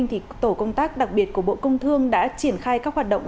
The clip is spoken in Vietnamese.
tổ công tác đặc biệt của bộ công thương đã triển khai các hoạt động